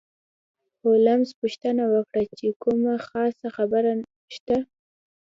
هولمز پوښتنه وکړه چې کومه خاصه خبره شته.